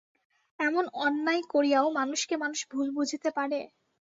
এমন অন্যায় করিয়াও মানুষকে মানুষ ভুল বুঝিতে পারে!